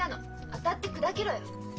当たって砕けろよ。